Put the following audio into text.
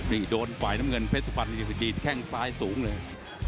นี่โดนฝ่ายน้ำเงินเพชตึกรรมดีไม่ครดคลิปแค้งซ้ายสูงเลย